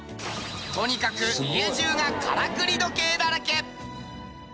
とにかく家中がからくり時計だらけ！